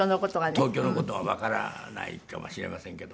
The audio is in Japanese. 東京の事はわからないかもしれませんけど。